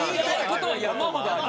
山ほどある？